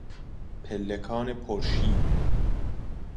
پلکان پرشیب